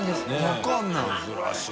わかんない。